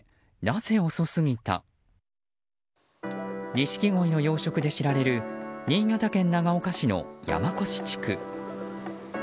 ニシキゴイの養殖で知られる新潟県長岡市の山古志地区。